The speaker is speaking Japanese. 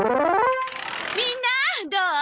みんなどう？